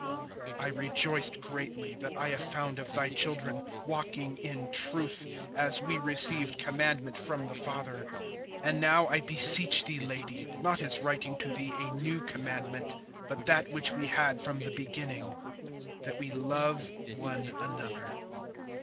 (4)I rejoiced greatly, that I have found of thy children walking in truth, as we received commandment from the Father. (5)And now I beseech thee, lady, not as writing to thee a new commandment, but that which we had from the beginning, that we love one another.